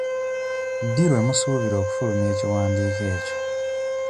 Ddi lwe musuubira okufulumya ekiwandiiko ekyo.